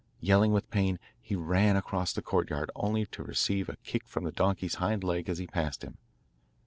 Yelling with pain he ran across the courtyard only to receive a kick from the donkey's hind leg as he passed him.